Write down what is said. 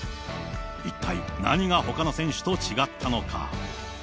一体何がほかの選手と違ったのか。